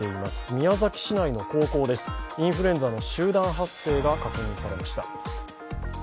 宮崎市内の高校です、インフルエンザの集団発生が確認されました。